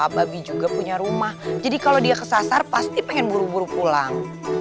babi juga punya rumah jadi kalau dia kesasar pasti pengen buru buru pulang